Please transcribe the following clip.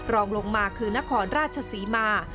รองลงมาคือนครราชศรีมา